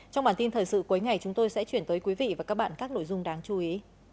trong bản tin thời sự cuối ngày chúng tôi sẽ chuyển tới quý vị và các bạn các nội dung đáng chú ý